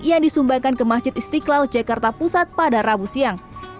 yang disumbangkan ke masjid istiqlal jakarta pusat pada rabu siang